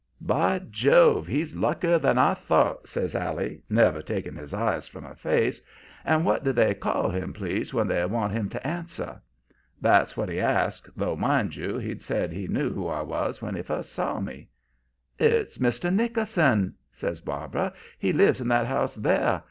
"'By Jove! he's luckier than I thought,' says Allie, never taking his eyes from her face. 'And what do they call him, please, when they want him to answer?' That's what he asked, though, mind you, he'd said he knew who I was when he first saw me. "'It's Mr. Nickerson,' says Barbara. 'He lives in that house there.